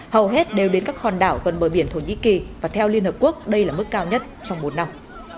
hầu hết đều đến các hòn đảo gần bờ biển thổ nhĩ kỳ và theo liên hợp quốc đây là mức cao nhất trong một năm